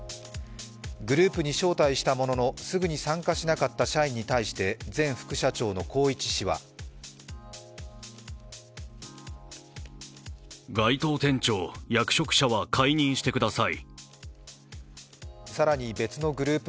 グループに招待したもののすぐに参加しなかった社員に対して前副社長の宏一氏は更に別のグループ